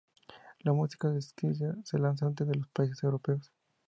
La música de Schiller se lanza antes en los países europeos.